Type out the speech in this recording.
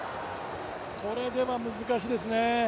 これでは難しいですね。